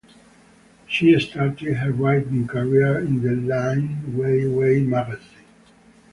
She started her writing career in the Liwayway magazine.